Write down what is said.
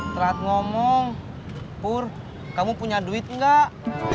telat ngomong pur kamu punya duit nggak